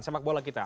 semak bola kita